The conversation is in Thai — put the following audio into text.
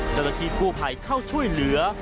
เจ้าตะที่กู้ไภเข้าช่วยเหลือ